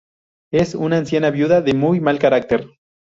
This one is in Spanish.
Es una anciana viuda de muy mal carácter.